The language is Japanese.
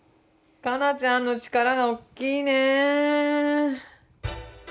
かなちゃんの力がおっきいね。